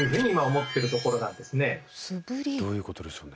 どういうことでしょうね。